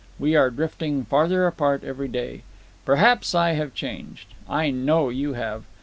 We are drifting farther apart every day. Perhaps I have changed. I know you have.